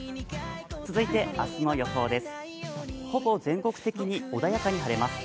続いて明日の予報です。